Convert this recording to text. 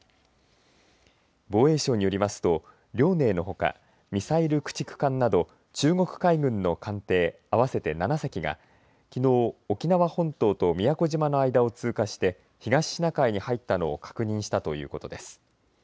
防衛省によりますと遼寧のほかミサイル駆逐艦など中国海軍の艦艇合わせて７隻がきのう、沖縄本島と宮古島の間を通過して東シナ海に入ったのを確認したということです。